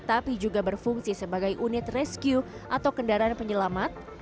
tapi juga berfungsi sebagai unit rescue atau kendaraan penyelamat